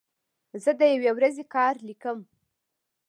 زه د یوې ورځې کار لیکم.